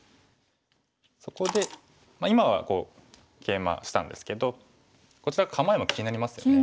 そこで今はケイマしたんですけどこちら構えも気になりますよね。